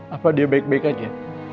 apa dia baik baik aja